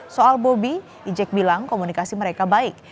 soal bobi ijek bilang komunikasi mereka baik